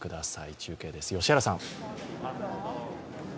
中継です、良原さん。